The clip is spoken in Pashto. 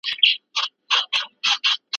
که خواړه سم تاوده نه شي خطر شته.